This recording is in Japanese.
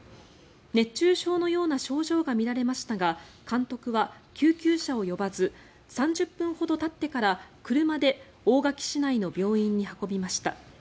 熱中症のような症状が見られましたが監督は救急車を呼ばず３０分ほどたってから車で大垣市内の病院に運びました。